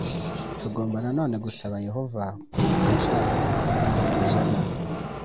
Tugomba nanone gusaba Yehova kudufasha kureka inzoga